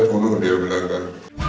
tetap saya bunuh dia bilangkan